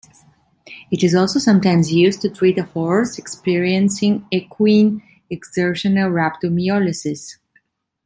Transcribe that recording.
It is also sometimes used to treat a horse experiencing equine exertional rhabdomyolysis.